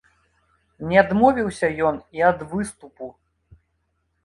Не адмовіўся ён і ад выступу.